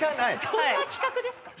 どんな企画ですか？